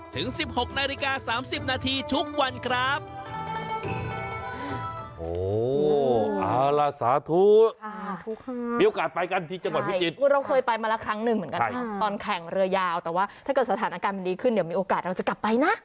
ถึง๑๖นาฬิกา๓๐นาทีทุกวันครับ